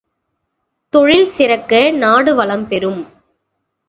தொழில் சிறக்க, நாடு வளம்பெறும்.